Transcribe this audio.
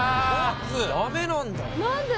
ダメなんだ。